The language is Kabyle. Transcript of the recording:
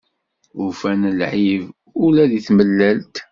Ufan lɛib, ula di tmellalt.